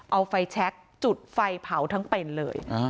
เอาไฟแชคจุดไฟเผาทั้งเป็นเลย